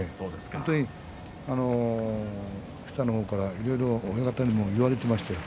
本当に下の方からいろいろと親方にも言われていましたよ。